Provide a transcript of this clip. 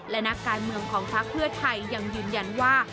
และนักการเมืองของพักเพื่อไทยยังยืนยันว่า